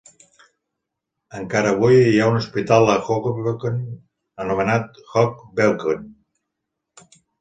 Encara avui hi ha un hospital a Hoboken anomenat "Hoge Beuken".